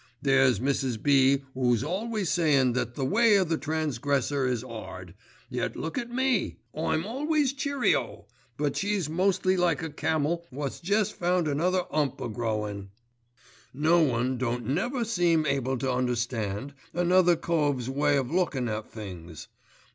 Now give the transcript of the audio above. There's Mrs. B. 'oo's always sayin' that 'the way o' the transgressor is 'ard', yet look at me! I'm always cheerio, but she's mostly like a camel wot's jest found another 'ump a growin'. "No one don't never seem able to understand another cove's way o' lookin' at things.